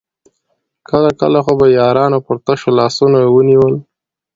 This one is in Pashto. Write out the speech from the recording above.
کله کله خو به يارانو پر تشو لاسونو ونيول.